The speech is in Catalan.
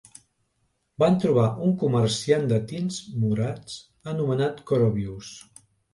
Van trobar un comerciant de tints morats anomenat Corobius.